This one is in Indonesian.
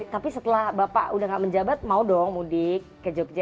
tapi setelah bapak udah gak menjabat mau dong mudik ke jogja